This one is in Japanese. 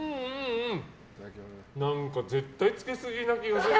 うん！絶対につけすぎな気がする。